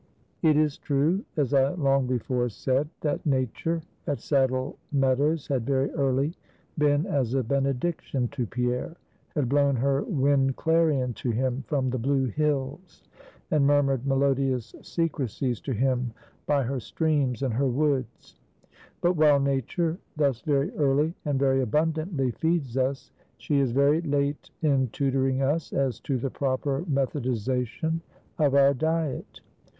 It is true, as I long before said, that Nature at Saddle Meadows had very early been as a benediction to Pierre; had blown her wind clarion to him from the blue hills, and murmured melodious secrecies to him by her streams and her woods. But while nature thus very early and very abundantly feeds us, she is very late in tutoring us as to the proper methodization of our diet.